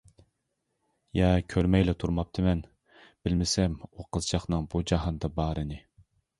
يە كۆرمەيلا تۇرماپتىمەن، بىلمىسەم ئۇ قىزچاقنىڭ بۇ جاھاندا بارىنى.